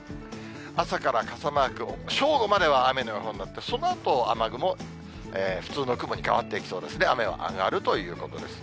朝から傘マーク、正午までは雨の予報になって、そのあと、雨雲、普通の雲に変わっていきそうですね、雨は上がるということです。